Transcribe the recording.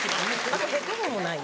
あとヘッドホンもない？